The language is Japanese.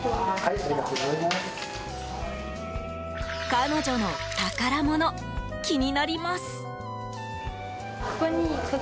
彼女の宝物、気になります。